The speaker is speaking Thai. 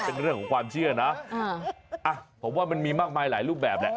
เป็นเรื่องของความเชื่อนะผมว่ามันมีมากมายหลายรูปแบบแหละ